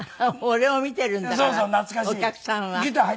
俺を見ているんだからお客さんは。